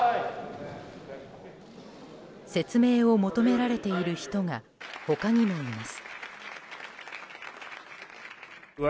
説明を求められている人が他にもいます。